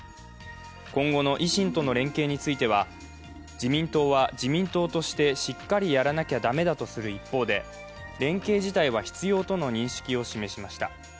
今後の維新との連携については、自民党は自民党として、しっかりやらなきゃだめだとする一方で、連携自体は必要との認識を示しました。